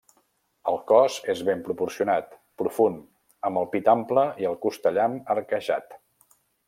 El cos és ben proporcionat, profund, amb el pit ample i el costellam arquejat.